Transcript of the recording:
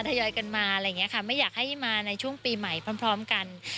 ทยอยกันมาอะไรอย่างนี้ค่ะไม่อยากให้มาในช่วงปีใหม่พร้อมกัน